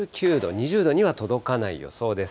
２０度には届かない予想です。